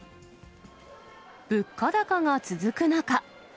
物価高が続く中。